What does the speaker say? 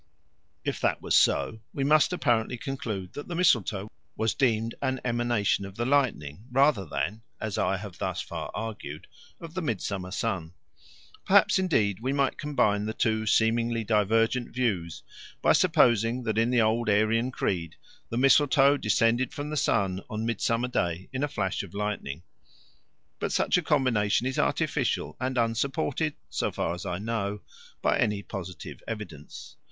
If that was so, we must apparently conclude that the mistletoe was deemed an emanation of the lightning rather than, as I have thus far argued, of the midsummer sun. Perhaps, indeed, we might combine the two seemingly divergent views by supposing that in the old Aryan creed the mistletoe descended from the sun on Midsummer Day in a flash of lightning. But such a combination is artificial and unsupported, so far as I know, by any positive evidence.